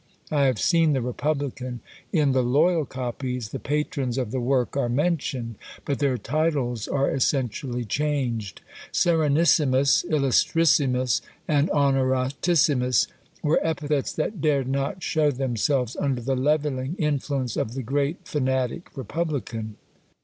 I have seen the republican. In the loyal copies the patrons of the work are mentioned, but their titles are essentially changed; Serenissimus, Illustrissimus, and Honoratissimus, were epithets that dared not shew themselves under the levelling influence of the great fanatic republican.